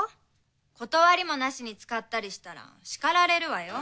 断りもなしに使ったりしたら叱られるわよ。